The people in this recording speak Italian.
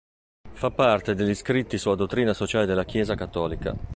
Fa parte degli scritti sulla dottrina sociale della Chiesa cattolica.